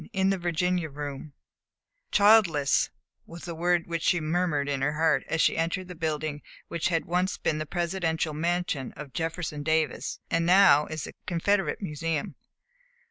IN THE VIRGINIA ROOM "Childless," was the word which she murmured in her heart, as she entered the building which had once been the Presidential Mansion of Jefferson Davis and now is the Confederate Museum.